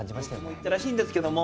行ったらしいんですけれども。